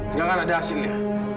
nggak akan ada hasilnya